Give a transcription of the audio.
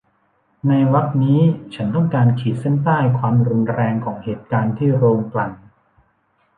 ในวรรคนี้ฉันต้องการขีดเส้นใต้ความรุนแรงของเหตุการณ์ที่โรงกลั่น